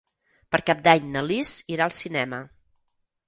Per Cap d'Any na Lis irà al cinema.